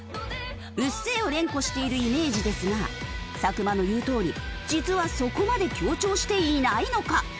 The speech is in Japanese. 「うっせぇ」を連呼しているイメージですが作間の言うとおり実はそこまで強調していないのか？